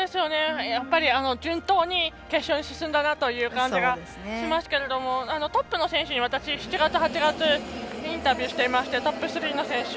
順当に決勝に進んだなという感じがしますけれどもトップの選手に私、７月、８月インタビューしていましてトップ３の選手